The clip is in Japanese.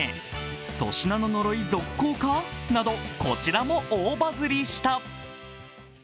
粗品の呪い続行か？など、こちらも大バズりした。